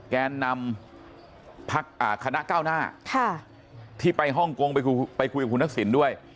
แกนำคณะเก้าหน้าที่ไปห้องกงไปคุยกับคุณศักดิ์สินด้วย